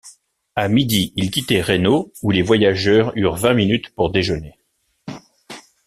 À midi, il quittait Reno, où les voyageurs eurent vingt minutes pour déjeuner.